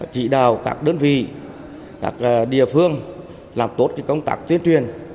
chỉ đào các đơn vị các địa phương làm tốt công tác tuyên truyền